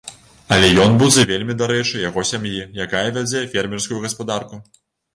Але ён будзе вельмі дарэчы яго сям'і, якая вядзе фермерскую гаспадарку.